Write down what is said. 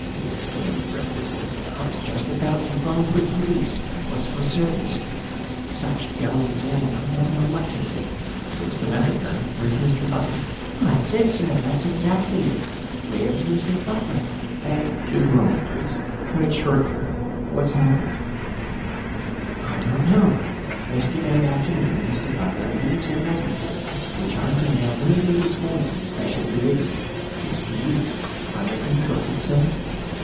he exclaimed breathlessly. "I was just about to phone for the police; I was for certain, sir. Such goings on, I don't know what to think!" "What's the matter, Perrin? Where's Mr. Butler?" "That's it, sir! That's exactly it. Where's Mr. Butler? And " "Just a moment, please! Cut it short, Perrin. What's happened?" "I don't know. Yesterday afternoon Mr. Butler leaves a letter for me, which I'm to mail early this morning, special delivery. It's to you. I reckon you got it, sir?"